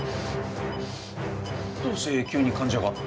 どうして急に患者が？